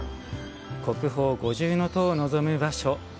国宝・五重の塔を望む場所。